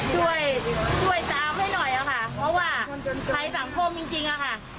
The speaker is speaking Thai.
ช่วยช่วยตามให้หน่อยค่ะเพราะว่าภัยสังคมจริงอะค่ะ